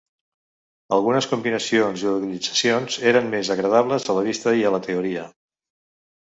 Algunes combinacions i organitzacions eren més agradables a la vista i a la teoria.